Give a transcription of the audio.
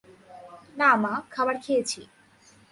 না মা, খাবার খেয়েছি।